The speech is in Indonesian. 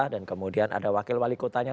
dan kemudian ada wakil wali kotanya